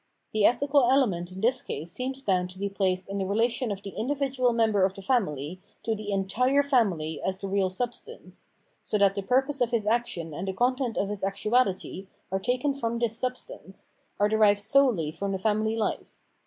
The ethical element in this case seems bound to be placed in the relation of the individual member of the family to the entire family as the real substance, so that the purpose of his action and the content of his actuahty are taken from this substance, are derived solely from the family Kfe.